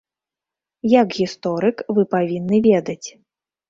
Як гісторык вы павінны ведаць.